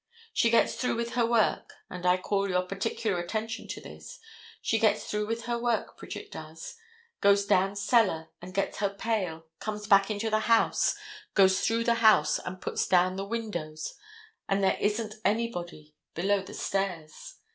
She gets through with her work—and I call your particular attention to this. She gets through with her work, Bridget does, goes down cellar and gets her pail, comes back into the house, goes through the house and puts down the windows and there isn't anybody below the stairs.